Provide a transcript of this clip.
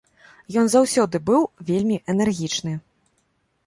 Ён заўсёды быў вельмі энергічны.